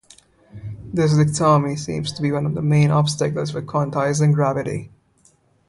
This dichotomy seems to be one of the main obstacles for quantizing gravity.